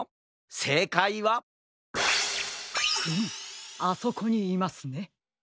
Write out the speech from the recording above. せいかいはフムあそこにいますね。